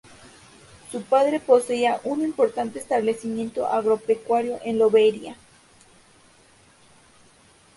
Su padre poseía un importante establecimiento agropecuario en Lobería.